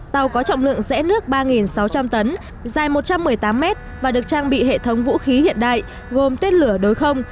tàu có trọng lượng rẽ nước ba sáu trăm linh tấn dài một trăm một mươi tám mét và được trang bị hệ thống vũ khí hiện đại gồm tên lửa đối không